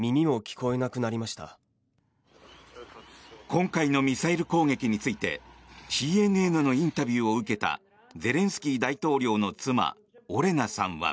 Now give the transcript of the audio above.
今回のミサイル攻撃についてＣＮＮのインタビューを受けたゼレンスキー大統領の妻オレナさんは。